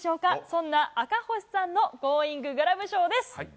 そんな赤星さんのゴーインググラブ賞です。